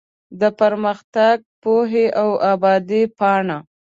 د پرمختګ ، پوهې او ابادۍ پاڼه